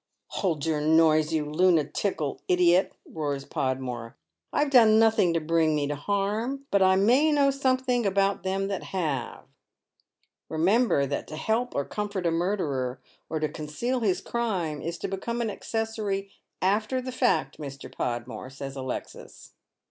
" Hold your noise, you lunatical idiot I " roars Podmore. " I've done nothing to bring me to harm, but I may know somethink uiwut them that have." " liemember that to help or comfort a murderer, or to conceal SGS Dead Men^s Shoes. bis crime, is to beconifj an accessory after the fact, Mr. Pod more," says Alexis.